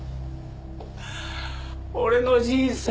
俺の人生